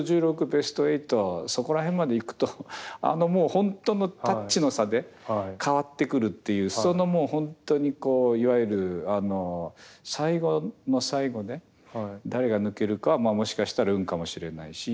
ベスト８そこら辺までいくともう本当のタッチの差で変わってくるっていうそのもう本当にこういわゆる最後の最後で誰が抜けるかはもしかしたら運かもしれないし